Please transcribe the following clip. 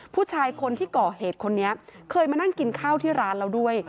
ผู้ชายคนที่ก่อเหตุคนนี้เคยมานั่งกินข้าวที่ร้านเราด้วย